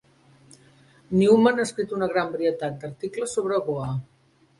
Newman ha escrit una gran varietat d'articles sobre Goa.